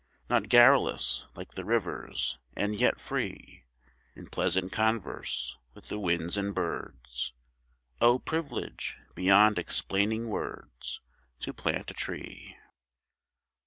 Not garrulous like the rivers; and yet free In pleasant converse with the winds and birds; Oh! privilege beyond explaining words, To plant a tree.